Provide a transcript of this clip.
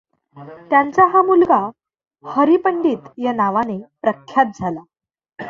त्यांचा हा मुलगा हरिपंडित या नावाने प्रख्यात झाला.